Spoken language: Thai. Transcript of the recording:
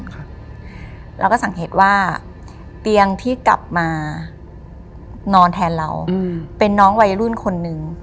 เราก็สังเกตว่าเตียงที่กลับมานอนแทนเราอืมเป็นน้องวัยรุ่นคนนึง